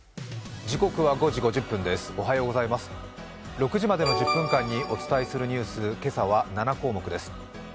６時までの１０分間にお伝えするニュース、今朝は７項目です。